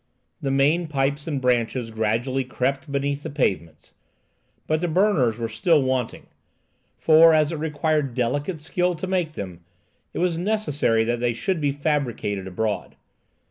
The main pipes and branches gradually crept beneath the pavements. But the burners were still wanting; for, as it required delicate skill to make them, it was necessary that they should be fabricated abroad.